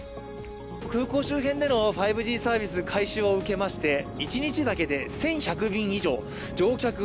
空港周辺での５Ｇサービス開始を受けまして一日だけで１１００便以上、乗客